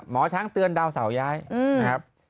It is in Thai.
หมอช้างเตือนดาวเสาย้ายนะครับ